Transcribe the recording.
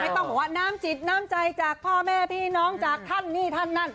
ต้องบอกว่าน้ำจิตน้ำใจจากพ่อแม่พี่น้องจากท่านนี่ท่านนั่น